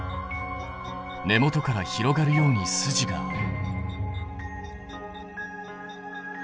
根元から広がるように筋がある。